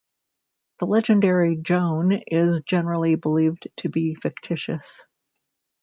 The legendary Joan is generally believed to be fictitious.